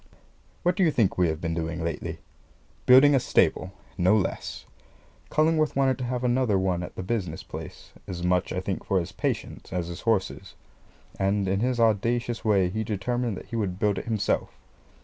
What do you think we have been doing lately? Building a stable no less. Cullingworth wanted to have another one at the business place, as much, I think, for his patients as his horses; and, in his audacious way, he determined that he would build it himself.